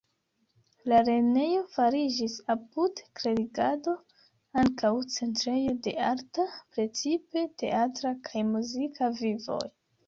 La lernejo fariĝis apud klerigado ankaŭ centrejo de arta, precipe teatra kaj muzika vivoj.